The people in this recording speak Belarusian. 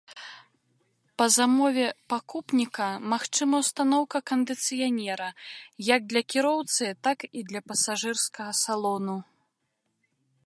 Па замове пакупніка магчыма ўстаноўка кандыцыянера, як для кіроўцы, так і пасажырскага салону.